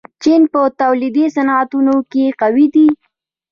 چین په تولیدي صنعتونو کې قوي دی.